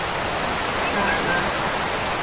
沙尔拉。